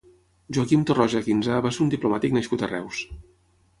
Joaquim Torroja Quinzà va ser un diplomàtic nascut a Reus.